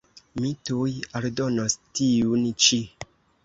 Mi tuj aldonos tiun ĉi.